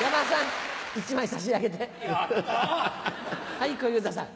はい小遊三さん。